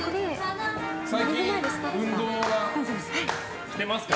最近、運動はしてますか？